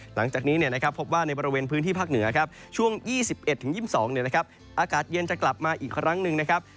หลังจากนี้พบว่าในบริเวณพื้นที่ภาคเหนือครับช่วง๒๑๒๒อากาศเย็นจะกลับมาอีกครั้งหนึ่งนะครับ